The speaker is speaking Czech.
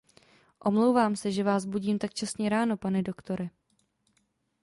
Omlouvám se, že vás budím tak časně ráno, pane doktore.